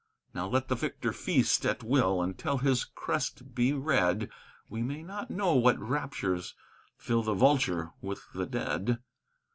Now let the victor feast at will until his crest be red We may not know what raptures fill the vulture with the dead.